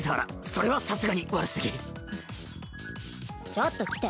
ちょっと来て。